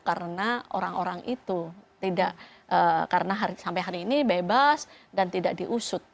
karena orang orang itu tidak karena sampai hari ini bebas dan tidak diusut